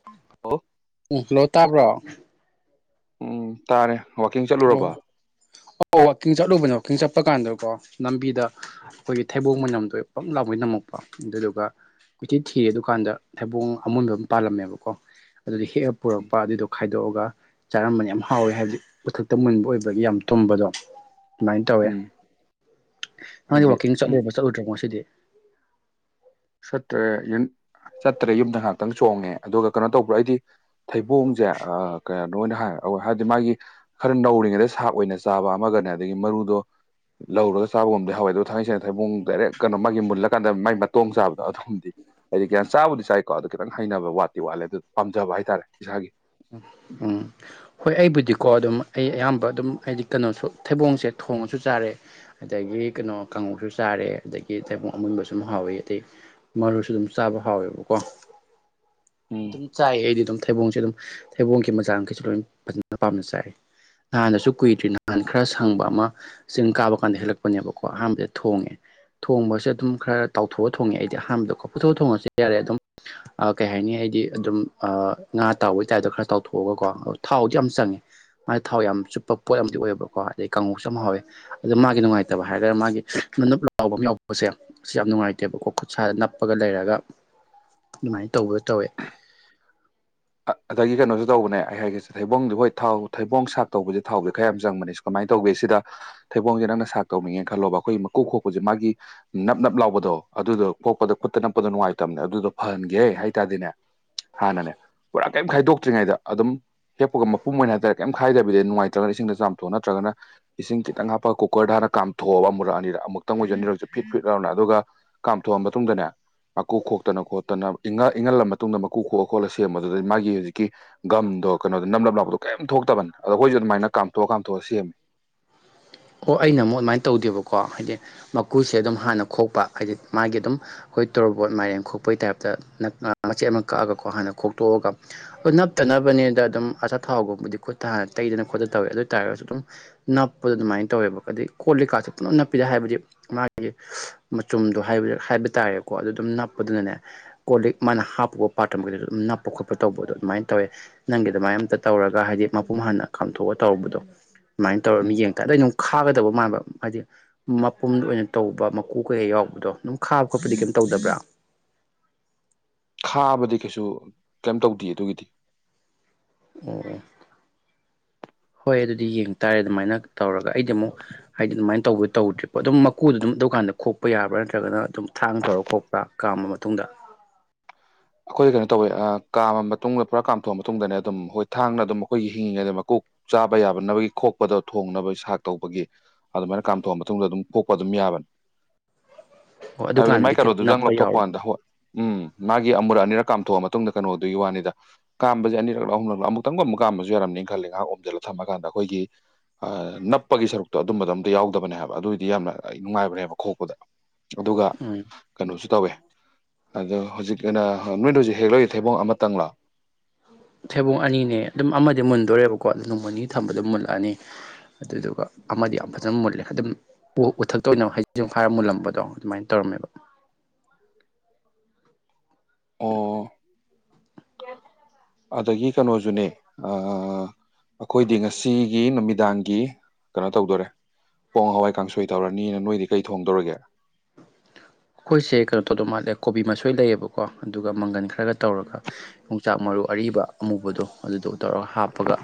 [unintelligible] ꯎꯝ hello ꯇꯥꯕ꯭ꯔꯣ? ꯎꯝ ꯇꯥꯔꯦ ꯋꯥꯀꯤꯡ ꯆꯠꯂꯨꯔꯕ? ꯑꯣ ꯑꯣ ꯋꯥꯛꯀꯤꯡ ꯆꯠꯂꯨꯕꯅꯦ ꯋꯥꯛꯀꯤꯡ ꯆꯠꯄ ꯀꯥꯟꯗꯀꯣ ꯂꯝꯕꯤꯗ ꯑꯈꯣꯏꯒꯤ ꯊꯩꯕꯣꯡ ꯃꯅꯝꯗꯣ ꯄꯪ ꯂꯥꯎꯒꯩ ꯅꯝꯃꯛꯄ ꯑꯗꯨꯗꯨꯒ ꯀꯣꯏꯊꯤ ꯊꯤꯔꯦ ꯑꯗꯨꯀꯥꯟꯗ ꯊꯩꯕꯣꯡ ꯑꯃꯨꯟꯕ ꯑꯃ ꯄꯥꯜꯂꯝꯃꯦꯕꯀꯣ ꯑꯗꯨꯗꯤ ꯍꯦꯛꯑ ꯄꯨꯔꯛꯄ ꯑꯗꯨꯗꯣ ꯈꯥꯏꯗꯣꯛꯑꯒ ꯆꯥꯔꯝꯕꯅꯦ ꯌꯥꯝ ꯍꯥꯎꯋꯦ ꯍꯥꯏꯕꯗꯤ ꯎꯊꯛꯇ ꯃꯨꯟꯕ ꯑꯣꯏꯕꯒꯤ ꯌꯥꯝ ꯊꯨꯝꯕꯗꯣ ꯑꯗꯨꯃꯥꯏ ꯇꯧꯋꯦ꯫ ꯎꯝ ꯅꯪꯗꯤ ꯑꯩꯗꯤ ꯋꯥꯛꯀꯤꯡ ꯎꯝ ꯆꯠꯂꯨꯔꯕ ꯆꯠꯂꯨꯗ꯭ꯔꯤꯕꯣ ꯉꯁꯤꯗꯤ? ꯆꯠꯇ꯭ꯔꯦ ꯌꯨꯝ ꯆꯠꯇ꯭ꯔꯦ ꯌꯨꯝꯗ ꯉꯥꯛꯇꯪ ꯆꯣꯡꯉꯦ ꯑꯗꯨꯒ ꯀꯩꯅꯣ ꯇꯧꯕ꯭ꯔꯣ ꯍꯥꯏꯗꯤ ꯊꯩꯕꯣꯡꯖꯦ ꯑꯥ [unintelligible] ꯍꯥꯏꯕꯗꯤ ꯃꯥꯒꯤ ꯈꯔ ꯅꯧꯔꯤꯉꯩꯗ ꯁꯥꯛ ꯑꯣꯏꯅ ꯆꯥꯕ ꯑꯃꯒꯅꯦ ꯑꯗꯒꯤ ꯃꯔꯨꯗꯣ ꯂꯧꯔꯒ ꯆꯥꯕꯒꯨꯝꯗꯤ ꯍꯧꯋꯦ ꯑꯗꯣ ꯊꯥꯡꯉꯩ ꯁꯦꯡꯅ ꯊꯩꯕꯨꯡ ꯗꯥꯏꯔꯦꯛ ꯀꯩꯅ ꯃꯥꯒꯤ ꯃꯨꯜꯂꯀꯥꯟꯗ ꯃꯥꯒꯤ ꯃꯇꯣꯡ ꯆꯥꯕ ꯊꯝꯗꯦ ꯍꯥꯏꯗꯤ ꯀꯌꯥ ꯆꯥꯕꯨꯗꯤ ꯆꯥꯏꯀꯣ ꯑꯗꯣ ꯈꯤꯇꯪ ꯍꯩꯅꯕ ꯋꯥꯠꯇꯤ ꯋꯥꯠꯂꯦ ꯑꯗꯨ ꯄꯥꯝꯖꯕ ꯍꯥꯏꯇꯥꯔꯦ ꯏꯁꯥꯒꯤ꯫ ꯎꯝ ꯍꯣꯏ ꯑꯩꯕꯨꯗꯤꯀꯣ ꯑꯗꯨꯝ ꯑꯩ ꯑꯌꯥꯝꯕ ꯑꯗꯨꯝ ꯑꯩꯗꯤ ꯀꯩꯅꯣꯁꯨ ꯊꯩꯕꯣꯡꯁꯦ ꯊꯣꯡꯉꯁꯨ ꯆꯥꯔꯦ꯫ ꯑꯗꯒꯤ ꯀꯩꯅꯣ ꯀꯥꯡꯉꯧꯁꯨ ꯆꯥꯔꯦ ꯑꯗꯒꯤ ꯊꯩꯕꯣꯡ ꯑꯃꯨꯟꯕ ꯁꯨ ꯍꯥꯎꯋꯤ ꯑꯗꯩ ꯃꯔꯨꯁꯨ ꯑꯗꯨꯝ ꯆꯥꯕ ꯍꯥꯎꯋꯦꯕꯀꯣ ꯎꯝ ꯑꯗꯨꯝ ꯆꯥꯏ ꯑꯩꯗꯤ ꯑꯗꯨꯝ ꯊꯩꯕꯣꯡꯁꯦ ꯑꯗꯨꯝ ꯊꯩꯕꯣꯡꯒꯤ ꯃꯆꯥꯈꯩꯁꯨ ꯂꯣꯏ ꯐꯖꯅ ꯄꯥꯝꯅ ꯆꯥꯏ꯫ ꯅꯍꯥꯟꯅꯁꯨ ꯀꯨꯏꯗ꯭ꯔꯤ ꯅꯍꯥꯟ ꯈꯔ ꯁꯪꯕ ꯑꯃ ꯆꯤꯡ ꯀꯥꯕ ꯀꯥꯟꯗ ꯍꯦꯜꯂꯛꯄꯅꯦꯕꯀꯣ ꯑꯍꯥꯟꯕꯗ ꯊꯣꯡꯉꯦ ꯊꯣꯡꯕꯁꯦ ꯑꯗꯨꯝ ꯈꯔ ꯇꯥꯎꯊꯣꯛꯑ ꯊꯣꯡꯉꯦ ꯑꯩꯗꯤ ꯑꯍꯥꯟꯕꯗꯀꯣ ꯄꯨꯊꯣꯡ ꯊꯣꯡꯉꯁꯨ ꯌꯥꯔꯦ ꯑꯗꯨꯝ ꯑ ꯀꯩ ꯍꯥꯏꯅꯤ ꯍꯥꯏꯗꯤ ꯑꯗꯨꯝ ꯑꯥ ꯉꯥ ꯕꯩ ꯇꯥꯏꯞꯇ ꯈꯔ ꯇꯥꯎꯊꯣꯛꯑꯒ ꯀꯣ ꯑ ꯊꯥꯎꯗꯤ ꯌꯥꯝ ꯆꯪꯉꯦ꯫ ꯃꯥ ꯊꯥꯎ ꯌꯥꯝ ꯆꯨꯞꯄ ꯄꯣꯠ ꯑꯝꯗꯤ ꯑꯣꯏꯌꯦꯕꯀꯣ ꯑꯗꯩ ꯀꯥꯡꯉꯧꯁꯨ ꯌꯥꯝ ꯍꯥꯎꯋꯦ꯫ ꯑꯗ ꯃꯥꯒꯤ ꯅꯨꯡꯉꯥꯏꯇꯕ ꯍꯥꯏꯔꯒꯔ ꯃꯥꯒꯤ ꯅꯞ ꯅꯞ ꯂꯥꯎꯕ ꯑꯃ ꯌꯥꯎꯕꯁꯦ ꯁꯤ ꯌꯥꯝ ꯅꯨꯡꯉꯥꯏꯇꯦꯕꯀꯣ ꯈꯨꯠꯁꯥꯗ ꯅꯞꯄꯒ ꯂꯩꯔꯒ ꯑꯗꯨꯃꯥꯏꯅ ꯇꯧꯕ ꯇꯧꯋꯦ꯫ ꯑꯗꯒꯤ ꯀꯩꯅꯣꯖꯨ ꯇꯧꯕꯅꯦ ꯑꯩ ꯍꯥꯏꯒꯁꯦ ꯊꯩꯕꯣꯡꯗꯤ ꯍꯣꯏ ꯊꯥꯎ ꯊꯩꯕꯣꯡ ꯁꯥꯛ ꯇꯧꯕꯁꯦ ꯊꯥꯎꯗꯤ ꯈꯔ ꯌꯥꯝ ꯆꯪꯕꯅꯦ꯫ ꯀꯃꯥꯏ ꯇꯧꯒꯦ ꯁꯤꯗ ꯊꯩꯕꯣꯡꯖꯦ ꯅꯪꯅ ꯁꯥꯛ ꯇꯧꯅꯤꯡꯉꯦ ꯈꯜꯂꯣꯕ ꯑꯈꯣꯏꯒꯤ ꯃꯀꯨ ꯈꯣꯛꯄꯖꯦ ꯃꯥꯒꯤ ꯅꯞ ꯅꯞ ꯂꯥꯎꯕꯗꯣ ꯑꯗꯨꯗꯣ ꯀꯣꯛꯄꯗꯣ ꯈꯨꯠꯇ ꯅꯞꯄꯗꯣ ꯅꯨꯡꯉꯥꯏꯇꯝꯅꯦ ꯑꯗꯨꯗꯣ ꯐꯍꯟꯒꯦ ꯍꯥꯏ ꯇꯥꯔꯗꯤꯅꯦ ꯍꯥꯟꯅꯅꯦ ꯄꯨꯔꯥ ꯀꯩꯝ ꯈꯥꯏꯗꯣꯛꯇ꯭ꯔꯤꯉꯩꯗ ꯑꯗꯨꯝ ꯍꯦꯛꯄꯒ ꯃꯄꯨꯝ ꯑꯣꯏꯅ ꯍꯥꯏꯇꯥꯔꯦ ꯀꯩꯝ ꯈꯥꯏꯗꯕꯤꯗ ꯅꯨꯡꯉꯥꯏꯇ꯭ꯔꯒ ꯏꯁꯤꯡꯗ ꯆꯥꯝꯊꯣꯛꯑꯣ ꯅꯠꯇ꯭ꯔꯒꯅ ꯏꯁꯤꯡ ꯈꯤꯇꯪ ꯍꯥꯞꯄꯒ ꯀꯨꯀꯔꯗ ꯍꯥꯟ ꯀꯥꯝꯊꯣꯛꯑꯕ ꯑꯃꯨꯨꯔꯛꯑꯅꯤꯔ ꯑꯃꯨꯛꯇꯪ ꯑꯣꯏꯁꯨ ꯑꯅꯤꯔꯛꯁꯨ ꯐꯤꯠ ꯐꯤꯠ ꯂꯥꯎꯅ ꯑꯗꯨꯒ ꯀꯥꯝꯊꯣꯛꯑ ꯃꯇꯨꯡꯗꯅꯦ ꯃꯀꯨ ꯈꯣꯛꯇꯅ ꯈꯣꯠꯇꯅ ꯏꯪꯉ ꯏꯪꯍꯜꯂ ꯃꯇꯨꯡꯗ ꯃꯀꯨ ꯈꯣꯛꯑ ꯈꯣꯛꯂ ꯁꯦꯝꯃꯅꯤ ꯑꯗꯨꯗꯩ ꯃꯥꯒꯤ ꯍꯨꯖꯤꯛꯀꯤ ꯒꯝꯗꯣ ꯀꯩꯅꯣꯗꯣ ꯅꯝꯂꯞ ꯂꯥꯎꯕꯗꯣ ꯀꯩꯝ ꯊꯣꯛꯇꯥꯕꯅꯤ ꯑꯗꯣ ꯑꯩꯈꯣꯏꯖꯨ ꯑꯗꯨꯃꯥꯏꯅ ꯀꯥꯝꯊꯣꯛ ꯀꯥꯝꯊꯣꯛꯑ ꯁꯦꯝꯃꯦ ꯑꯣ ꯑꯩꯅ ꯑꯃꯨꯛ ꯑꯗꯨꯃꯥꯏꯟ ꯇꯧꯗꯦꯕꯀꯣ ꯍꯥꯏꯗꯤ ꯃꯀꯨꯁꯦ ꯑꯗꯨꯝ ꯍꯥꯟꯅ ꯈꯣꯛꯄ ꯍꯥꯏꯗꯤ ꯃꯥꯒꯤ ꯑꯗꯨꯝ ꯑꯈꯣꯏ ꯇꯣꯔꯣꯕꯣꯠ ꯃꯥꯏꯔꯦꯝ ꯈꯣꯛꯄꯩ ꯇꯥꯏꯞꯇꯥ ꯑꯥ ꯃꯆꯦꯠ ꯑꯃ ꯀꯛꯑꯒꯥꯀꯣ ꯍꯥꯟꯅ ꯈꯣꯛꯇꯣꯛꯑꯒ ꯍꯣꯏ ꯅꯞꯇꯥꯅꯕꯅꯦꯅ ꯑꯗꯨꯝ ꯑꯆꯥꯊꯥꯎꯒꯨꯝꯕꯗꯤ ꯈꯨꯠ ꯇꯥ ꯍꯥꯟ ꯇꯩꯗꯅ ꯈꯣꯠꯇꯥꯅ ꯇꯧꯋꯦ ꯑꯗꯨ ꯑꯣꯏ ꯇꯔꯒꯁꯨ ꯑꯗꯨꯝ ꯅꯞꯄꯗꯣ ꯑꯗꯨꯃꯥꯏꯟ ꯇꯧꯋꯦꯕ ꯑꯗꯩ ꯀꯣꯜ ꯂꯤꯛꯀꯥꯁꯦ ꯄꯨꯅꯞ ꯅꯞꯄꯤꯔꯥ ꯍꯥꯏꯕꯗꯤ ꯃꯥꯒꯤ ꯃꯆꯨꯝꯗꯣ ꯍꯥꯏꯕꯗꯤ ꯍꯥꯏꯕ ꯇꯥꯔꯦꯀꯣ ꯑꯗꯨ ꯑꯗꯨꯝ ꯅꯞꯄꯗꯨꯅꯅꯦ ꯀꯣꯜ ꯂꯤꯛ ꯃꯥꯅ ꯍꯥꯞꯄꯨ ꯄꯥꯠꯇ꯭ꯔꯥ ꯃꯈꯩꯗꯨꯖꯨ ꯑꯗꯨꯝ ꯅꯞꯄ ꯈꯣꯠꯄ ꯇꯧꯕꯗꯣ ꯑꯗꯨꯃꯥꯏꯅ ꯇꯧꯋꯦ ꯅꯪꯒꯤ ꯑꯗꯨꯃꯥꯏ ꯑꯝꯇꯥ ꯇꯧꯔꯒ ꯍꯥꯏꯗꯤ ꯃꯄꯨꯝ ꯍꯟꯅ ꯀꯥꯝꯊꯣꯛꯑ ꯇꯧꯔꯨꯕꯗꯣ ꯁꯨꯃꯥꯏꯟ ꯇꯧꯔꯃꯤ ꯎꯝ ꯌꯦꯡꯀꯥꯟ ꯑꯗꯥ ꯑꯩꯅ ꯃꯨꯛ ꯈꯥꯒꯗꯕ ꯃꯥꯟꯕ ꯍꯥꯏꯗꯤ ꯃꯄꯨꯝ ꯑꯣꯏꯅ ꯇꯧꯕ ꯃꯀꯣꯛ ꯈꯣꯏꯍꯦꯛ ꯌꯥꯎꯕꯗꯣ ꯑꯗꯨꯝ ꯈꯥꯕ ꯈꯣꯠꯄꯗꯤ ꯀꯩꯝ ꯇꯧꯗꯕ꯭ꯔꯥ ꯈꯥꯕꯗꯤ ꯀꯩꯁꯨ ꯀꯩꯝ ꯇꯧꯗꯦ ꯑꯗꯨꯒꯤꯗꯤ ꯑꯣ ꯍꯣꯏ ꯑꯗꯨꯗꯤ ꯌꯦꯡꯇꯥꯥꯔꯦ ꯑꯗꯨꯃꯥꯏꯅ ꯇꯧꯔꯒ ꯑꯩꯗꯤ ꯑꯃꯨꯛ ꯍꯥꯏꯗꯤ ꯑꯗꯨꯃꯥꯏꯅ ꯇꯧꯕ ꯇꯧꯗ꯭ꯔꯤꯕ ꯑꯗꯨꯝ ꯃꯀꯨꯗꯣ ꯑꯗꯨꯝ ꯗꯨꯀꯥꯟꯗ ꯈꯣꯛꯄ ꯌꯥꯕ꯭ꯔꯥ ꯅꯠꯇ꯭ꯔꯥꯒꯅ ꯑꯗꯨꯝ ꯊꯥꯡ ꯇꯧꯔ ꯈꯣꯛꯄ꯭ꯔꯥ ꯀꯥꯝꯕ ꯃꯇꯨꯡꯗ ꯑꯈꯣꯏ ꯀꯩꯅꯣ ꯇꯧꯋꯦ ꯑꯥ ꯀꯥꯝꯃ ꯃꯇꯨꯡꯗ ꯄꯨꯔꯥ ꯀꯥꯝꯊꯣꯛꯑ ꯃꯇꯨꯡꯗꯅꯦ ꯑꯗꯨꯝ ꯍꯣꯏ ꯊꯥꯡꯅ ꯑꯗꯨꯝ ꯑꯩꯈꯣꯏꯒꯤ ꯍꯤꯡꯉꯤꯉꯩꯗ ꯃꯀꯣꯛ ꯆꯥꯕ ꯌꯥꯕꯅꯕꯒꯤ ꯈꯣꯛꯄꯗꯣ ꯊꯣꯡꯅꯕ ꯁꯥꯛ ꯇꯧꯕꯒꯤ ꯑꯗꯨꯃꯥꯏꯅ ꯀꯥꯝꯊꯣꯛꯑ ꯃꯇꯨꯡꯗ ꯑꯗꯨꯝ ꯄꯣꯛꯄ ꯑꯗꯨꯝ ꯌꯥꯕꯅꯤ [inaudible] ꯍꯥꯏꯕꯗꯤ ꯃꯥꯏ ꯑꯗꯨꯀꯥꯟꯗꯗꯤ ꯀꯩꯝ ꯀꯩꯅꯣꯗꯨꯗꯪ ꯅꯞꯄ ꯌꯥꯎꯔꯕ ꯂꯧꯊꯣꯛꯄꯥꯟꯗ ꯍꯣꯏ ꯎꯝ ꯃꯥꯒꯤ ꯒꯤ ꯑꯃꯨꯔꯛ ꯑꯅꯤꯔꯛ ꯀꯥꯝꯊꯣꯛꯑ ꯃꯇꯨꯡꯗ ꯀꯩꯅꯣ ꯗꯨꯒꯤ ꯋꯥꯅꯤꯗ ꯀꯥꯝꯕꯖꯦ ꯑꯅꯤꯔꯛꯂꯥ ꯑꯍꯨꯝꯂꯛꯂꯥ ꯑꯃꯨꯛꯇꯪ ꯑꯃꯨꯛ ꯀꯥꯝꯕꯁꯨ ꯌꯥꯔꯝꯅꯤ ꯈꯜꯂꯦ ꯉꯥꯏꯍꯥꯛ ꯑꯣꯝꯖꯤꯜꯂ ꯊꯝꯃꯀꯥꯟꯗ ꯑꯈꯣꯏꯒꯤ ꯑꯥ ꯅꯞꯄꯒꯤ ꯁꯔꯨꯛꯇꯣ ꯑꯗꯨꯝꯕꯗꯣ ꯑꯝꯇꯥ ꯌꯥꯎꯗꯕꯅꯦ ꯍꯥꯏꯕ ꯑꯗꯨꯑꯣꯏꯗꯤ ꯌꯥꯝꯅ ꯅꯨꯡꯉꯥꯏꯕꯅꯦꯕ ꯈꯣꯛꯄꯗ ꯑꯗꯨꯒ ꯎꯝ ꯀꯥꯅꯣꯁꯨ ꯇꯧꯋꯦ ꯑꯗꯣ ꯍꯨꯖꯤꯛ [unintelligible] ꯅꯣꯏꯅ ꯍꯨꯖꯤꯛ ꯍꯦꯛꯂꯛꯏ ꯊꯩꯕꯣꯡ ꯑꯃꯇꯪꯂꯥ ꯊꯩꯕꯨꯡ ꯑꯅꯤꯅꯦ ꯑꯗꯨꯝ ꯑꯃꯗꯤ ꯃꯨꯟꯗꯣꯔꯦꯕꯀꯣ ꯑꯗꯨ ꯅꯣꯡꯃ ꯅꯤꯅꯤ ꯊꯝꯕꯗ ꯃꯨꯜꯂꯛꯑꯅꯤ ꯑꯗꯨꯗꯨꯒ ꯑꯃꯗꯤ ꯌꯥꯝ ꯐꯖꯟ ꯃꯨꯜꯂꯦ ꯑꯗꯨꯝ ꯎ ꯎꯊꯛꯇꯥ ꯑꯣꯏꯅ ꯍꯩꯖꯤꯡ ꯐꯥꯔ ꯃꯨꯜꯂꯝꯕꯗꯣ ꯑꯗꯨꯃꯥꯏꯟ ꯇꯧꯔꯝꯃꯦꯕ [inaudible] ꯑꯣ ꯑꯗꯒꯤ ꯀꯅꯣꯖꯨꯅꯦ ꯑꯥ ꯑꯈꯣꯏꯗꯤ ꯉꯁꯤꯒꯤ ꯅꯨꯃꯤꯗꯥꯡꯒꯤ ꯀꯅꯣ ꯇꯧꯗꯣꯔꯦ ꯄꯣꯡ ꯍꯋꯥꯏ ꯀꯥꯡꯁꯣꯏ ꯇꯧꯔꯅꯤꯅ ꯅꯣꯏꯗꯤ ꯀꯩ ꯊꯣꯡꯗꯧꯔꯒꯦ ꯑꯈꯣꯏꯁꯦ ꯀꯩꯅꯣ ꯇꯧꯗꯧ ꯃꯥꯜꯂꯦ ꯀꯣꯕꯤ ꯃꯁꯣꯏ ꯂꯩꯌꯦꯕꯀꯣ ꯑꯗꯨꯒ ꯃꯪꯒꯟ ꯈꯔꯒ ꯇꯧꯔꯒ ꯌꯣꯡꯆꯥꯛ ꯃꯔꯨ ꯑꯔꯤꯕ ꯑꯃꯨꯕꯗꯣ ꯑꯗꯨꯗꯣ ꯇꯧꯔꯒ ꯍꯥꯞꯄꯒ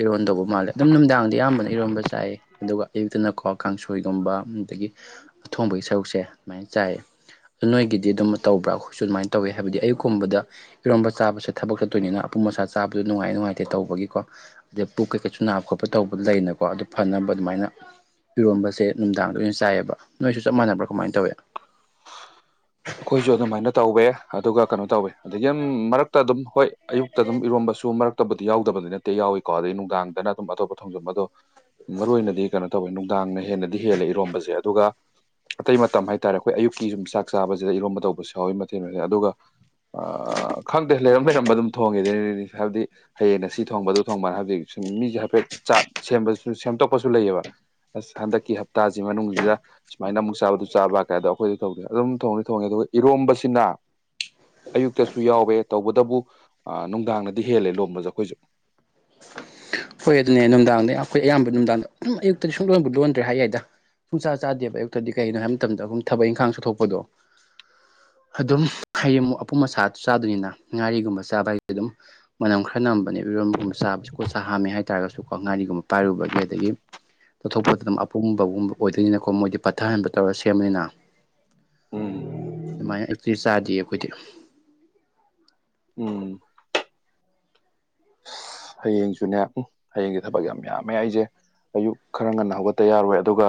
ꯏꯔꯣꯟꯗꯧꯕ ꯃꯥꯜꯂꯦ ꯑꯗꯨꯝ ꯅꯨꯝꯗꯥꯡꯗꯤ ꯑꯌꯥꯝꯕꯅ ꯏꯔꯣꯟꯕ ꯆꯥꯏꯌꯦ ꯑꯗꯨꯒ ꯑꯌꯨꯛꯇꯅꯀꯣ ꯀꯥꯡꯁꯣꯏꯒꯨꯝꯕ ꯑꯗꯒꯤ ꯑꯊꯣꯡꯕꯒꯤ ꯁꯔꯨꯛꯁꯦ ꯑꯗꯨꯃꯥꯏꯅ ꯆꯥꯏ ꯅꯣꯏꯒꯤꯗꯤ ꯑꯗꯨꯝ ꯇꯧꯕ꯭ꯔꯥ ꯑꯩꯈꯣꯏꯁꯨ ꯑꯗꯨꯃꯥꯏꯅ ꯇꯧꯋꯤ ꯍꯥꯏꯕꯗꯤ ꯑꯌꯨꯛꯀꯨꯝꯕꯗ ꯏꯔꯣꯝꯕ ꯆꯥꯕꯁꯦ ꯊꯕꯛ ꯆꯠꯇꯣꯏꯅꯤꯅ ꯑꯄꯨꯝ ꯑꯁꯥ ꯆꯥꯕꯗꯨ ꯅꯨꯡꯉꯥꯏ ꯅꯨꯡꯉꯥꯏꯇꯦ ꯇꯧꯕꯒꯤꯀꯣ ꯑꯗꯩ ꯄꯨꯛ ꯀꯩꯀꯩꯁꯨ ꯅꯥꯕ ꯈꯣꯠꯄ ꯇꯧꯕ ꯂꯩꯅꯀꯣ ꯑꯗꯨ ꯐꯅꯕ ꯑꯗꯨꯃꯥꯏꯅ ꯏꯔꯣꯝꯕꯁꯦ ꯅꯨꯝꯗꯥꯡꯗ ꯑꯣꯏꯅ ꯆꯥꯏꯌꯦꯕ ꯅꯣꯏꯁꯨ ꯆꯞ ꯃꯥꯟꯅꯕ꯭ꯔꯥ ꯀꯃꯥꯏꯟ ꯇꯧꯋꯦ ꯑꯈꯣꯏꯖꯨ ꯑꯗꯨꯃꯥꯏꯅ ꯇꯧꯋꯦ ꯑꯗꯨꯒ ꯀꯩꯅꯣ ꯇꯧꯋꯦ ꯑꯗꯒꯤ ꯎꯝ ꯃꯔꯛꯇꯥ ꯑꯗꯨꯝ ꯍꯣꯏ ꯑꯌꯨꯛꯇꯥ ꯑꯗꯨꯝ ꯏꯔꯣꯝꯕꯁꯨ ꯃꯔꯛꯇꯥꯕꯨꯗꯤ ꯌꯥꯎꯗꯕꯗꯤ ꯅꯠꯇꯦ ꯌꯥꯎꯏꯀꯣ ꯑꯗꯩ ꯅꯨꯡꯗꯥꯡꯗꯅ ꯑꯗꯨꯝ ꯑꯇꯣꯞꯄ ꯊꯣꯡꯖꯝꯕ ꯑꯗꯣ ꯃꯔꯨ ꯑꯣꯏꯅꯗꯤ ꯀꯩꯅꯣ ꯇꯧꯋꯦ ꯅꯨꯡ ꯅꯨꯡꯗꯥꯡꯅ ꯍꯦꯟꯅꯗꯤ ꯍꯦꯜꯂꯦ ꯏꯔꯣꯝꯕꯖꯦ ꯑꯗꯨꯒ ꯑꯇꯩ ꯃꯇꯝ ꯍꯥꯏꯇꯥꯔꯦ ꯑꯩꯈꯣꯏ ꯑꯌꯨꯛꯀꯤ ꯌꯨꯝ ꯆꯥꯛ ꯆꯥꯕꯁꯤꯗ ꯏꯔꯣꯝꯕ ꯇꯧꯕꯁꯨ ꯌꯥꯎꯋꯤ ꯃꯊꯦꯜ ꯃꯌꯝ ꯑꯗꯨꯒ ꯑ ꯈꯪꯗꯦ ꯂꯩꯔꯝ ꯂꯩꯔꯝꯕ ꯑꯗꯨꯝ ꯊꯣꯡꯉꯦꯗ ꯑꯗꯨꯗꯤ ꯍꯥꯏꯕꯗꯤ ꯍꯌꯦꯡꯅ ꯁꯤ ꯊꯣꯡꯕ ꯑꯗꯨ ꯊꯣꯡꯕꯅ ꯍꯥꯏꯕꯗꯤ ꯁꯨꯝ ꯃꯤꯁꯦ ꯍꯥꯏꯐꯦꯠ ꯆꯥꯠ ꯁꯦꯝꯕꯁꯨ ꯁꯦꯝꯇꯣꯛꯄꯁꯨ ꯂꯩꯌꯦꯕ ꯑꯁ ꯍꯟꯗꯛꯀꯤ ꯍꯞꯇꯥꯁꯤ ꯃꯅꯨꯡꯁꯤꯗ ꯁꯨꯃꯥꯏꯅ ꯑꯃꯨꯛ ꯆꯥꯕ ꯑꯗꯨ ꯆꯥꯕ ꯀꯥꯏꯗꯣ ꯑꯩꯈꯣꯏꯗꯤ ꯇꯧꯗꯦ ꯑꯗꯨꯝ ꯊꯣꯡꯗꯤ ꯊꯣꯡꯉꯤ ꯑꯗꯨꯒ ꯏꯔꯣꯝꯕꯁꯤꯅ ꯑꯌꯨꯛꯇꯁꯨ ꯌꯥꯎꯋꯦ ꯇꯧꯕꯇꯕꯨ ꯑ ꯅꯨꯡꯗꯥꯡꯅꯗꯤ ꯍꯦꯜꯂꯦ ꯂꯣꯝꯕꯁꯦ ꯑꯩꯈꯣꯏꯁꯨ ꯍꯣꯏ ꯑꯗꯨꯅꯦ ꯅꯨꯡꯗꯥꯡꯗ ꯑꯩꯈꯣꯏ ꯑꯌꯥꯝꯕ ꯅꯨꯡꯗꯥꯡꯗ ꯑꯗꯨꯝ ꯑꯌꯨꯛꯇꯗꯤ ꯁꯨꯡ ꯂꯣꯟꯕꯨ ꯂꯣꯟꯗ꯭ꯔꯦ ꯍꯥꯏ ꯌꯥꯏꯗ ꯁꯨꯡ ꯆꯥ ꯆꯥꯗꯦꯕ ꯑꯌꯨꯛꯇꯗꯤ ꯀꯒꯤꯩꯅꯣ ꯍꯥꯏꯕ ꯃꯇꯝꯗ ꯑꯗꯨꯝ ꯊꯕꯛ ꯏꯪꯈꯥꯡ ꯆꯠꯊꯣꯛꯄꯗꯣ ꯑꯗꯨꯝ ꯍꯌꯦꯡꯃꯨꯛ ꯑꯄꯨꯝ ꯑꯁꯥ ꯆꯥꯗꯣꯏꯅꯤꯅ ꯉꯥꯔꯤꯒꯨꯝꯕ ꯆꯥꯕ ꯍꯥꯏꯁꯦ ꯑꯗꯨꯝ ꯃꯅꯝ ꯈꯔ ꯅꯝꯕꯅꯦ ꯏꯔꯣꯟꯝꯒꯨꯝꯕ ꯆꯥꯕꯁꯤ ꯈꯨꯠ ꯁꯥ ꯍꯥꯝꯃꯦ ꯍꯥꯏꯇꯥꯔꯒꯁꯨꯀꯣ ꯉꯥꯔꯤꯒꯨꯝꯕ ꯄꯥꯏꯔꯨꯕꯒꯤ ꯑꯗꯒꯤ ꯇꯠꯊꯣꯛꯄꯗ ꯑꯗꯨꯝ ꯑꯄꯨꯕꯒꯨꯝꯕ ꯑꯣꯏꯗꯣꯏꯅꯤꯅꯀꯣ ꯃꯣꯏꯗꯤ ꯄꯠꯊꯍꯟꯕ ꯇꯧꯔ ꯁꯦꯝꯕꯅꯤꯅ ꯎꯝ ꯑꯗꯨꯃꯥꯏꯅ ꯑꯌꯨꯛꯇꯗꯤ ꯆꯥꯗꯦ ꯑꯩꯈꯣꯏꯗꯤ ꯎꯝ ꯑꯁ ꯍꯌꯦꯡꯁꯨꯅꯦ ꯎꯝ ꯍꯌꯦꯡꯁꯦ ꯊꯕꯛ ꯌꯥꯝ ꯌꯥꯝꯃꯦ ꯑꯩꯁꯦ ꯑꯌꯨꯛ ꯈꯔ ꯉꯟꯅ ꯍꯧꯒꯠꯇ ꯌꯥꯔꯣꯏ ꯑꯗꯨꯒ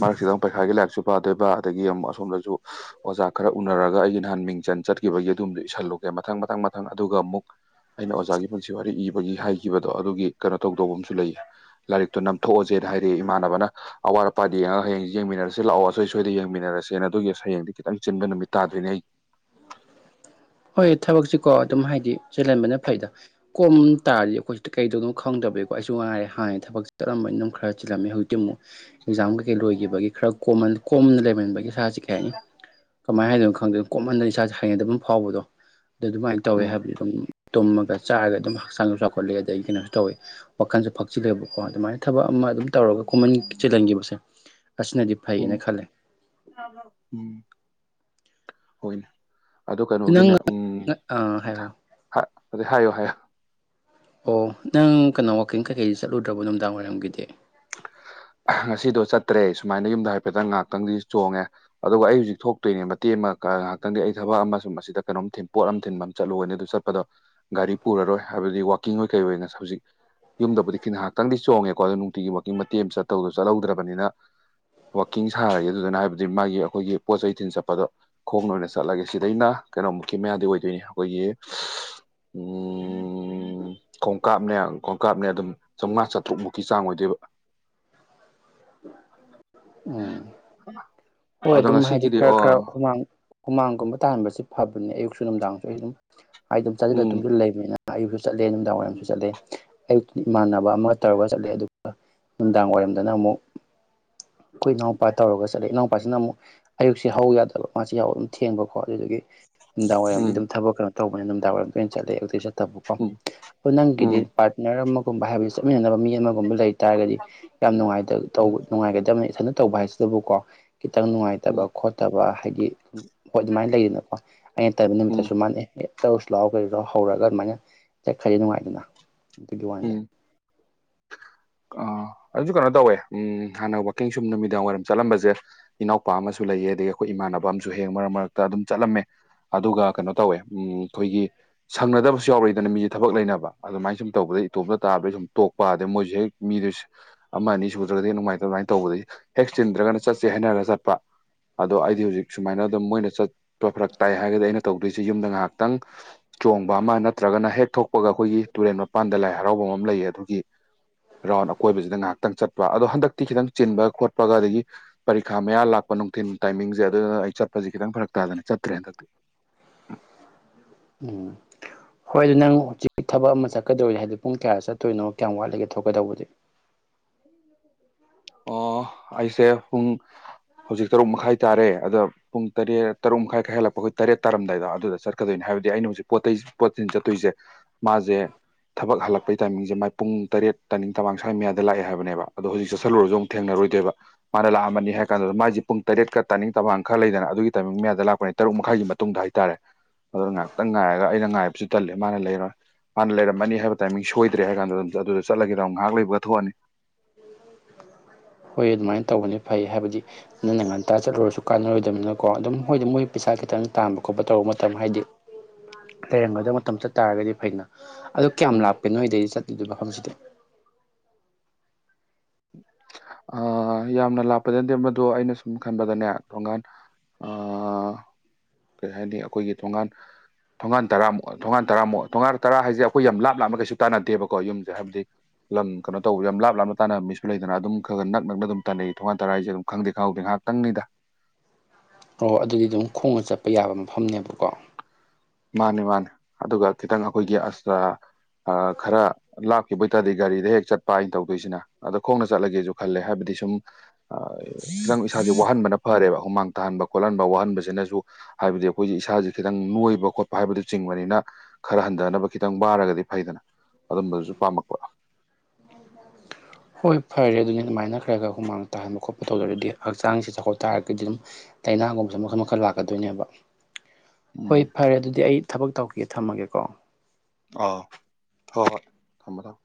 ꯃꯔꯛꯁꯤꯗꯪ ꯄꯩꯈꯥꯒꯤ ꯂꯥꯏꯔꯤꯛꯁꯨ ꯄꯥꯗꯣꯏꯕ ꯑꯗꯒꯤ ꯑꯃꯨꯛ ꯑꯁꯣꯝꯗꯁꯨ ꯑꯣꯖꯥ ꯈꯔ ꯎꯅꯔꯒ ꯑꯩꯒꯤ ꯅꯍꯥꯟ ꯃꯤꯡꯆꯟ ꯆꯠꯈꯤꯕꯒꯤ ꯑꯗꯨꯝꯗ ꯏꯁꯤꯜꯂꯨꯒꯦ ꯃꯊꯪ ꯃꯊꯪ ꯃꯊꯪ ꯑꯗꯨꯒ ꯑꯃꯨꯛ ꯑꯩꯅ ꯑꯣꯖꯥꯒꯤ ꯄꯨꯟꯁꯤ ꯋꯥꯔꯤ ꯏꯕꯒꯤ ꯍꯥꯏꯈꯤꯕꯗꯣ ꯑꯗꯨꯒꯤ ꯀꯩꯅꯣ ꯇꯧꯗꯧꯕ ꯑꯃꯁꯨ ꯂꯩꯌꯦ ꯂꯥꯏꯔꯤꯛꯇꯨ ꯅꯝꯊꯣꯛꯑꯁꯦꯅ ꯍꯥꯏꯔꯛꯑꯦ ꯏꯃꯥꯟꯅꯕꯅ ꯑꯋꯥꯠ ꯑꯄꯥꯗ ꯌꯦꯡꯉꯒ ꯍꯌꯦꯡꯁꯤ ꯌꯦꯡꯃꯤꯟꯅꯔꯁꯤ ꯂꯥꯛꯑꯣ ꯑꯁꯣꯏ ꯁꯣꯏꯗ ꯌꯦꯡꯃꯤꯟꯅꯔꯁꯦꯅ ꯑꯗꯨꯒꯤ ꯍꯌꯦꯡꯗꯤ ꯈꯤꯇꯪ ꯆꯤꯟꯕ ꯅꯨꯃꯤꯠ ꯇꯥꯗꯣꯏꯅꯦ ꯑꯩ ꯍꯣꯏ ꯊꯕꯛꯁꯤꯀꯣ ꯑꯗꯨꯝ ꯍꯥꯏꯗꯤ ꯆꯤꯜꯍꯟꯕꯅ ꯐꯩꯗ ꯀꯣꯝ ꯇꯥꯔꯗꯤ ꯑꯩꯈꯣꯏ ꯁꯤ ꯀꯩꯗꯧꯅꯣ ꯈꯪꯗꯕꯩꯀꯣ ꯑꯩꯁꯨ ꯃꯉꯥꯏꯔꯦ ꯍꯥꯟꯅ ꯊꯕꯛ ꯆꯠꯂꯝꯝꯕꯅꯤꯅ ꯑꯗꯨꯝ ꯈꯔ ꯆꯤꯜꯂꯝꯃꯦ ꯍꯧꯖꯤꯛꯇꯤ ꯑꯃꯨꯛ ꯑꯦꯛꯖꯥꯝ ꯀꯩꯀꯩ ꯂꯣꯏꯈꯤꯕꯒꯤ ꯈꯔ ꯀꯣꯝ ꯀꯣꯝꯅ ꯂꯩꯃꯟꯕꯒꯤ ꯏꯁꯥꯁꯦ ꯀꯩ ꯍꯥꯏꯅꯤ ꯀꯃꯥꯏꯅ ꯍꯥꯏꯗꯣꯏꯅꯣ ꯈꯪꯗꯦ ꯀꯣꯃꯟꯗꯅ ꯏꯁꯥꯁꯦ ꯍꯩꯅꯗꯕ ꯑꯃ ꯐꯥꯎꯕꯗꯣ ꯑꯗꯨ ꯑꯗꯨꯃꯥꯏꯅ ꯇꯧꯋꯦ ꯎꯝ ꯍꯥꯏꯕꯗꯤ ꯑꯗꯨꯝ ꯇꯨꯝꯃꯒ ꯆꯥꯔꯒ ꯑꯗꯨꯝ ꯍꯛꯆꯥꯡꯁꯨ ꯆꯥꯎꯈꯠꯂꯦ ꯑꯗꯒꯤ ꯀꯩꯅꯣꯁꯨ ꯇꯧꯋꯦ ꯋꯥꯈꯜꯁꯨ ꯐꯛꯆꯤꯜꯂꯦꯕꯀꯣ ꯑꯗꯨꯃꯥꯏꯅ ꯊꯕꯛ ꯑꯃ ꯑꯗꯨꯝ ꯇꯧꯔꯒ ꯀꯣꯃꯟ ꯆꯤꯜꯍꯟꯈꯤꯕꯁꯦ ꯑꯁꯤꯅꯗꯤ ꯐꯩꯌꯦꯅ ꯎꯝ ꯈꯜꯂꯦ ꯎꯝ ꯍꯣꯏꯅꯦ ꯑꯗꯨ ꯅꯪ ꯀꯩꯅꯣꯒꯤꯅꯦ ꯎꯝ ꯑꯥ ꯍꯥꯏꯌꯣ ꯑ ꯑꯗꯩ ꯍꯥꯏꯌꯣ ꯍꯥꯏꯌꯣ ꯑꯣ ꯅꯪ ꯀꯩꯅꯣ ꯋꯥꯛꯀꯤꯡ ꯀꯩꯀꯩ ꯆꯠꯂꯨꯗ꯭ꯔꯕꯣ ꯅꯨꯡꯗꯥꯡ ꯋꯥꯏꯔꯝꯒꯤꯗꯤ ꯉꯁꯤꯗꯣ ꯆꯠꯇ꯭ꯔꯦ ꯁꯨꯃꯥꯏꯅ ꯌꯨꯝꯗ ꯍꯥꯏꯐꯦꯠꯇꯪ ꯉꯥꯏꯍꯥꯛꯇꯪꯗꯤ ꯆꯣꯡꯉꯦ ꯑꯗꯨꯒ ꯑꯩ ꯍꯧꯖꯤꯛ ꯊꯣꯛꯇꯣꯏꯅꯦ ꯃꯇꯦꯛ ꯑꯃꯥ ꯉꯥꯏꯍꯥꯛꯇꯪꯒꯤ ꯑꯩ ꯊꯕꯛ ꯑꯃ ꯁꯨꯝ ꯑꯁꯤꯗ ꯀꯩꯅꯣꯝꯃ ꯄꯣꯠ ꯑꯃ ꯊꯤꯟꯕ ꯑꯃ ꯆꯠꯂꯨꯅꯤ ꯑꯗꯨ ꯆꯠꯄꯗ ꯒꯥꯔꯤ ꯄꯨꯔꯔꯣꯏ ꯍꯥꯏꯕꯗꯤ ꯋꯥꯛꯀꯤꯡ ꯑꯣꯏ ꯀꯩ ꯑꯣꯏꯅ ꯍꯧꯖꯤꯛ ꯌꯨꯝꯗꯕꯨꯗꯤ ꯈꯤ ꯉꯥꯏꯍꯥꯛꯇꯪꯗꯤ ꯆꯣꯡꯉꯦꯀꯣ ꯑꯗꯨ ꯅꯨꯡꯇꯤꯒꯤ ꯃꯀꯤꯡ ꯃꯇꯦꯛ ꯑꯃ ꯆꯠꯇꯧꯗꯣ ꯆꯠꯍꯧꯗ꯭ꯔꯕꯅꯤꯅ ꯋꯥꯛꯀꯤꯡ ꯁꯥꯔꯒꯦ ꯑꯗꯨꯗꯨꯅ ꯍꯥꯏꯕꯗꯤ ꯃꯥꯒꯤ ꯑꯩꯈꯣꯏꯒꯤ ꯄꯣꯠ ꯆꯩ ꯊꯤꯟ ꯆꯠꯄꯗꯣ ꯈꯣꯡꯅ ꯑꯣꯏꯅ ꯆꯠꯂꯒꯦ ꯁꯤꯗꯩꯅ ꯀꯩꯅꯣꯃꯨꯛꯀꯤ ꯃꯌꯥꯗꯤ ꯑꯣꯏꯗꯣꯏꯅꯤ ꯑꯩꯈꯣꯏꯒꯤ [inaudible] ꯎꯝ ꯈꯣꯡꯀꯥꯞꯅꯦ ꯈꯣꯡꯀꯥꯞꯅꯦ ꯑꯗꯨꯝ ꯆꯥꯝꯉꯥ ꯆꯥꯇ꯭ꯔꯨꯛ ꯃꯨꯛꯀꯤ ꯆꯥꯡ ꯑꯣꯏꯗꯣꯏꯕ ꯎꯝ [inaudible] ꯍꯣꯏ ꯑꯗꯣ ꯑꯗꯨꯝ ꯍꯥꯏꯗꯤ ꯉꯁꯤꯒꯤꯗꯤ ꯈꯔ ꯈꯔ ꯑꯣ ꯍꯨꯃꯥꯡ ꯍꯨꯃꯥꯡꯒꯨꯝꯕ ꯇꯥꯍꯥꯟꯕꯁꯦ ꯐꯕꯅꯦ ꯑꯌꯨꯛꯁꯨ ꯅꯨꯡꯗꯥꯡꯁꯨ ꯑꯩ ꯑꯗꯨꯝ ꯍꯥꯏ ꯑꯗꯨꯝ ꯆꯥꯁꯤꯜꯂ ꯎꯝ ꯇꯨꯝꯁꯤꯜꯂ ꯂꯩꯕꯅꯤꯅ ꯑꯌꯨꯛꯁꯨ ꯆꯠꯂꯦ ꯅꯨꯡꯗꯥꯡ ꯋꯥꯏꯔꯝꯁꯨ ꯆꯠꯂꯦ ꯑꯌꯨꯛꯇ ꯏꯃꯥꯟꯅꯕ ꯑꯃ ꯇꯧꯔꯒ ꯆꯠꯂꯦ ꯑꯗꯨꯒ ꯅꯨꯡꯗꯥꯡ ꯋꯥꯏꯔꯝꯗꯅ ꯑꯃꯨꯛ ꯑꯩꯈꯣꯏ ꯏꯅꯥꯎꯄꯥ ꯇꯧꯔꯒ ꯆꯠꯂꯦ ꯏꯅꯥꯎꯄꯥ ꯄꯥꯁꯤꯅ ꯑꯃꯨꯛ ꯑꯌꯨꯛꯁꯦ ꯍꯧ ꯌꯥꯗꯕ ꯃꯥꯁꯤ ꯌꯥꯍꯧ ꯑꯗꯨꯝ ꯊꯦꯡꯕꯀꯣ ꯑꯗꯨꯗꯨꯒꯤ ꯅꯨꯡꯗꯥꯡ ꯋꯥꯏꯔꯝꯗꯤ ꯎꯝ ꯑꯗꯨꯝ ꯊꯕꯛ ꯀꯩꯅꯣ ꯇꯧꯕꯅ ꯅꯨꯡꯗꯥꯡ ꯋꯥꯏꯔꯝꯗ ꯑꯣꯏꯅ ꯆꯠꯂꯦ ꯑꯌꯨꯛꯇꯤ ꯆꯠꯇꯕꯀꯣ ꯎꯝ ꯑꯗꯨ ꯅꯪꯒꯤꯗꯤ ꯎꯝ ꯄꯥꯔꯠꯅꯔ ꯑꯃꯒꯨꯝꯕ ꯍꯥꯏꯕꯗꯤ ꯆꯠꯃꯤꯟꯅꯅꯕ ꯃꯤ ꯑꯃꯒꯨꯝꯕ ꯂꯩ ꯇꯥꯔꯒꯗꯤ ꯌꯥꯝ ꯅꯨꯡꯉꯥꯏꯇꯕ ꯎꯝ ꯇꯧꯕ ꯅꯨꯡꯉꯥꯏꯒꯗꯕꯅꯤ ꯏꯊꯟꯗ ꯇꯧꯕ ꯍꯥꯏꯁꯤꯗꯕꯨꯀꯣ ꯈꯤꯇꯪ ꯅꯨꯡꯉꯥꯏꯇꯕ ꯎꯝ ꯈꯣꯠꯇꯕ ꯍꯥꯏꯗꯤ ꯍꯣꯏ ꯑꯗꯨꯃꯥꯏꯅ ꯂꯩꯗꯅꯀꯣ꯫ ꯑꯩꯅ ꯇꯟꯕ ꯎꯝ ꯅꯨꯃꯤꯠꯇꯁꯨ ꯃꯥꯥꯟꯅ ꯑꯦ ꯆꯧꯁꯤꯂꯥꯎ ꯍꯧꯔꯒ ꯑꯗꯨꯃꯥꯏꯅ ꯆꯠꯈꯔꯗꯤ ꯅꯨꯡꯉꯥꯏꯗꯅ꯫ ꯗꯨꯒꯤ ꯋꯥꯅꯤꯗ ꯑ ꯑꯗꯨꯁꯨ ꯀꯩꯅꯣ ꯇꯧꯋꯦ ꯎꯝ ꯍꯥꯟꯅ ꯋꯥꯛꯀꯤꯡ ꯁꯨꯝ ꯅꯨꯃꯤꯗꯥꯡ ꯋꯥꯏꯔꯝ ꯆꯠꯂꯝꯕꯖꯦ ꯏꯅꯥꯎꯄꯥ ꯑꯃꯁꯨ ꯂꯩꯌꯦ ꯑꯗꯒꯤ ꯑꯈꯣꯏ ꯏꯃꯥꯟꯅꯕ ꯑꯃꯁꯨ ꯍꯦꯛ ꯃꯔꯛ ꯃꯔꯛꯇ ꯑꯗꯨꯝ ꯆꯠꯂꯝꯃꯦ꯫ ꯑꯗꯨꯒ ꯀꯩꯅꯣ ꯇꯧꯋꯦ ꯎꯝ ꯈꯣꯏꯒꯤ ꯁꯪꯅꯗꯕꯁꯨ ꯌꯥꯎꯔꯛꯏꯗꯅ ꯃꯤꯁꯦ ꯊꯕꯛ ꯂꯩꯅꯕ ꯑꯗꯨꯃꯥꯏꯅ ꯁꯨꯝ ꯇꯧꯕꯗꯩ ꯏꯇꯣꯝꯇ ꯇꯥꯕꯩ ꯁꯨꯝ ꯇꯣꯛꯄ ꯑꯗꯩ ꯃꯣꯏꯖꯨ ꯍꯦꯛ ꯃꯤꯗꯨ ꯁꯤ ꯑꯃ ꯑꯅꯤ ꯁꯨꯗ꯭ꯔꯒꯗꯤ ꯉꯥꯏꯇꯕ ꯑꯗꯨꯃꯥꯏꯅ ꯇꯧꯕꯗꯗꯒꯤ ꯍꯦꯛ ꯆꯤꯟꯗ꯭ꯔꯒꯅ ꯆꯠꯁꯦ ꯍꯥꯏꯅꯔꯒ ꯆꯠꯄ꯫ ꯑꯗꯣ ꯑꯩꯗꯤ ꯍꯧꯖꯤꯛ ꯁꯨꯃꯥꯏꯅ ꯑꯗꯨꯝ ꯃꯣꯏꯅ ꯆꯠꯄ ꯐꯔꯛ ꯇꯥꯏ ꯍꯥꯏꯔꯒꯗꯤ ꯑꯩꯅ ꯇꯧꯗꯣꯏꯁꯦ ꯌꯨꯝꯗ ꯉꯥꯍꯥꯛ ꯈꯤꯇꯪ ꯆꯣꯡꯕ ꯑꯃ ꯅꯠꯇ꯭ꯔꯒꯅ ꯍꯦꯛ ꯊꯣꯛꯄꯒ ꯑꯈꯣꯏꯒꯤ ꯇꯨꯔꯦꯟ ꯃꯄꯥꯟꯗ ꯂꯥꯏ ꯍꯔꯥꯎꯕꯝ ꯑꯃ ꯂꯩꯌꯦ ꯑꯗꯨꯒꯤ ꯔꯥꯎꯟ ꯑꯀꯣꯏꯕꯁꯤꯗ ꯉꯥꯍꯥꯛꯇꯪ ꯆꯠꯄ ꯑꯗꯣ ꯍꯟꯗꯛꯇꯤ ꯈꯤꯇꯪ ꯆꯤꯟꯕꯒ ꯈꯣꯠꯄꯒ ꯑꯗꯒꯤ ꯄꯔꯤꯈꯥ ꯃꯌꯥ ꯂꯥꯛꯄ ꯅꯨꯡꯊꯤꯟ ꯇꯥꯏꯃꯤꯡꯖꯦ ꯑꯗꯨꯅ ꯑꯩ ꯆꯠꯄꯖꯦ ꯈꯤꯇꯪ ꯐꯔꯛ ꯇꯥꯗꯅ ꯆꯠꯇ꯭ꯔꯦ ꯍꯟꯗꯛꯇꯤ꯫ ꯎꯝ ꯍꯣꯏ ꯑꯗꯨ ꯅꯪ ꯍꯧꯖꯤꯛ ꯊꯕꯛ ꯑꯃ ꯆꯠꯀꯗꯧꯔꯤ ꯍꯥꯏꯗꯨ ꯄꯨꯡ ꯀꯌꯥꯗ ꯆꯠꯇꯣꯏꯅꯣ ꯀꯌꯥꯝ ꯋꯥꯠꯂꯤꯒꯦ ꯊꯣꯛꯀꯗꯧꯕꯗꯤ? [inaudible] ꯑꯣ ꯑꯩꯁꯦ ꯄꯨꯡ ꯍꯧꯖꯤꯛ ꯇꯔꯨꯛ ꯃꯈꯥꯏ ꯇꯥꯔꯦ ꯑꯗꯣ ꯄꯨꯡ ꯇꯔꯦꯠ ꯇꯔꯨꯛ ꯃꯈꯥꯏ ꯈꯔ ꯍꯦꯜꯂꯛꯄ ꯑꯈꯣꯏ ꯇꯔꯦꯠ ꯇꯥꯔꯝꯗꯥꯏꯗ ꯑꯗꯨꯗ ꯆꯠꯀꯗꯣꯏꯅꯤ ꯍꯥꯏꯕꯗꯤ ꯑꯩꯅ ꯍꯧꯖꯤꯛ ꯄꯣꯠ ꯆꯩ ꯄꯣꯠꯊꯤꯟ ꯆꯠꯇꯣꯏꯖꯦ ꯃꯥꯖꯦ ꯊꯕꯛ ꯍꯜꯂꯛꯄꯩ ꯇꯥꯏꯃꯤꯡꯖꯦ ꯃꯥꯏ ꯄꯨꯡ ꯇꯔꯦꯠ ꯇꯥꯅꯤꯡ ꯇꯃꯥꯡ ꯁ꯭ꯋꯥꯏ ꯃꯌꯥꯗ ꯂꯥꯛꯑꯦ ꯍꯥꯏꯕ ꯑꯣ ꯍꯧꯖꯤꯛ ꯁꯨ ꯁꯜꯂꯨꯔꯁꯨ ꯑꯃꯨꯛ ꯊꯦꯡꯅꯔꯣꯏꯗꯣꯏꯕ ꯃꯥꯅ ꯂꯥꯛꯑꯃꯅꯤ ꯍꯥꯏ ꯀꯥꯟꯗꯨꯗ ꯃꯥꯏꯖꯦ ꯄꯨꯡ ꯇꯔꯦꯠꯀ ꯇꯥꯅꯤꯡ ꯇꯃꯥꯡ ꯈꯔ ꯂꯩꯗꯅ ꯑꯗꯨꯒꯤ ꯇꯥꯏꯃꯤꯡ ꯃꯌꯥꯗ ꯂꯥꯛꯄ ꯇꯔꯨꯛ ꯃꯈꯥꯏꯒꯤ ꯃꯇꯨꯡ ꯍꯥꯏ ꯍꯥꯏꯇꯥꯔꯦ ꯑꯗꯨꯅ ꯉꯥꯛꯍꯥꯛꯇꯪ ꯉꯥꯏꯔꯒ ꯑꯩꯅ ꯉꯥꯏꯕꯁꯨ ꯇꯜꯂꯦ ꯃꯥꯅ ꯂꯩꯔꯣꯏ ꯃꯥꯅ ꯂꯩꯔꯝꯃꯅꯤ ꯍꯥꯏꯕ ꯇꯥꯏꯃꯤꯡ ꯁꯣꯏꯗ꯭ꯔꯦ ꯍꯥꯏ ꯀꯥꯟꯗꯨꯗ ꯑꯗꯨꯗ ꯆꯠꯂꯒꯦꯗꯧ ꯉꯥꯍꯥꯛ ꯂꯩꯕꯒ ꯊꯣꯛꯑꯅꯤ꯫ ꯍꯣꯏ ꯑꯗꯨꯃꯥꯏ ꯇꯧꯕꯅꯤ ꯐꯩ ꯍꯥꯏꯕꯗꯤ ꯅꯪꯅ ꯉꯟꯇꯥ ꯆꯠꯂꯨꯔꯁꯨ ꯀꯥꯟꯅꯔꯣꯏꯗꯝꯅꯤꯅꯀꯣ ꯑꯗꯨꯝ ꯍꯣꯏꯗꯤ ꯃꯣꯏ ꯄꯩꯁꯥ ꯈꯤꯇꯪ ꯇꯥꯟꯕ ꯈꯣꯠꯄ ꯇꯧꯕ ꯃꯇꯝ ꯍꯥꯏꯗꯤ [unintelligible] ꯂꯩꯩꯔꯝꯒꯗꯕ ꯃꯇꯝ ꯆꯠ ꯇꯥꯔꯒꯗꯤ ꯐꯩꯅ ꯑꯗꯨ ꯀꯌꯥꯝ ꯎꯝ ꯂꯥꯞꯀꯦ ꯅꯣꯏꯗꯩꯗꯤ ꯆꯠꯂꯤꯗ ꯃꯐꯝꯁꯤꯗꯤ? ꯑꯥ ꯌꯥꯝꯅ ꯂꯥꯞꯄꯗꯤ ꯅꯠꯇꯦ ꯃꯗꯨ ꯑꯩꯅ ꯁꯨꯝ ꯈꯟꯕꯗꯅꯦ ꯊꯣꯡꯒꯥꯟ ꯑꯥ [inaudible] ꯀꯩ ꯍꯥꯏꯅꯤ ꯑꯈꯣꯏꯒꯤ ꯊꯣꯡꯒꯥꯟ ꯊꯣꯡꯒꯥꯟ ꯇꯔꯥꯃꯨꯛ ꯊꯣꯡꯒꯥꯟ ꯇꯔꯥꯃꯨꯛ ꯊꯣꯡꯒꯥꯟ ꯇꯔꯥ ꯍꯥꯏꯖꯦ ꯑꯈꯣꯏ ꯌꯥꯝ ꯂꯥꯞ ꯂꯥꯞꯅ ꯀꯩꯁꯨ ꯇꯥꯟꯅꯗꯦꯕꯀꯣ ꯌꯨꯝꯖꯦ ꯍꯥꯏꯕꯗꯤ ꯂꯝ ꯀꯅꯣ ꯇꯧꯕ ꯌꯥꯝ ꯂꯥꯞ ꯂꯥꯞꯅ ꯇꯥꯅ ꯃꯤꯁꯨ ꯂꯩꯗꯅ ꯑꯗꯨꯝ ꯈꯔ ꯈ ꯅꯛ ꯅꯛꯅ ꯑꯗꯨꯝꯅꯩ ꯊꯣꯉꯥꯟ ꯇꯔꯥꯖꯦ ꯑꯗꯨ ꯈꯪꯗꯦ ꯈꯪꯍꯧꯗꯦ ꯉꯥꯏꯍꯥꯛꯇꯪꯅꯤꯗ꯫ ꯑꯣ ꯑꯗꯨꯗꯤ ꯑꯗꯨꯝ ꯈꯣꯡꯅ ꯆꯠꯄ ꯌꯥꯕ ꯃꯐꯝꯅꯦꯕꯀꯣ꯫ ꯃꯥꯅꯤ ꯃꯥꯅꯤ ꯑꯗꯨꯒ ꯈꯤꯇꯪ ꯑꯈꯣꯏꯒꯤ ꯑꯁ ꯑ ꯈꯔ ꯂꯥꯞꯈꯤꯕ ꯑꯣꯏꯇꯥꯥꯔꯗꯤ ꯒꯥꯔꯤꯗ ꯍꯦꯛ ꯆꯠꯄ ꯑꯩꯅ ꯇꯧꯗꯣꯏꯁꯤꯅ ꯑꯗ ꯈꯣꯡꯅ ꯆꯠꯂꯒꯦꯁꯨ ꯈꯜꯂꯦ ꯍꯥꯏꯕꯗꯤ ꯁꯨꯝ ꯈꯤꯇꯪ ꯏꯁꯥꯖꯦ ꯋꯥꯍꯟꯕꯅ ꯐꯔꯦꯕ ꯍꯨꯃꯥꯡ ꯇꯥꯍꯟꯕ ꯈꯣꯠꯍꯟꯕ ꯋꯥꯍꯟꯕꯁꯤꯅꯖꯨ ꯍꯥꯏꯕꯗꯤ ꯑꯩꯈꯣꯏꯖꯦ ꯏꯁꯥꯥꯖꯦ ꯈꯤꯇꯪ ꯅꯣꯏꯕ ꯈꯣꯠꯄ ꯍꯥꯏꯕꯗꯨ ꯆꯤꯡꯕꯅꯤꯅ ꯈꯔ ꯍꯟꯊꯅꯕ ꯈꯤꯇꯪ ꯋꯥꯔꯒꯗꯤ ꯐꯩꯗꯅ ꯑꯗꯨꯝꯕꯗꯨꯖꯨ ꯄꯥꯝꯃꯛꯄ꯫ ꯍꯣꯏ ꯐꯔꯦ ꯑꯗꯨꯅꯤ ꯑꯗꯨꯃꯥꯏꯅ ꯈꯔ ꯈꯔ ꯍꯨꯃꯥꯡ ꯇꯥꯍꯟꯕ ꯈꯣꯠꯄ ꯇꯧꯗꯔꯗꯤ ꯍꯛꯆꯥꯡꯁꯦ ꯆꯥꯎꯈꯠ ꯇꯥꯔꯒꯗꯤ ꯑꯗꯨꯝ ꯇꯥꯏꯅꯥꯒꯨꯝꯕꯁꯤ ꯃꯈꯜ ꯃꯈꯜ ꯂꯥꯛꯀꯗꯣꯏꯅꯦꯕ꯫ ꯍꯣꯏ ꯎꯝ ꯐꯔꯦ ꯑꯗꯨꯗꯤ ꯑꯩ ꯊꯕꯛ ꯇꯧꯈꯤꯒꯦ ꯊꯝꯃꯒꯦꯀꯣ꯫ ꯑꯥ ꯍꯣꯏ ꯍꯣꯏ ꯊꯝꯃꯣ ꯊꯝꯃꯣ꯫